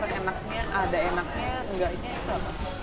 enaknya ada enaknya enggaknya itu apa